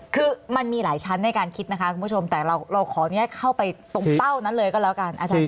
คือมันมีหลายชั้นในการคิดนะคะคุณผู้ชมแต่เราขออนุญาตเข้าไปตรงเป้านั้นเลยก็แล้วกันอาจารย์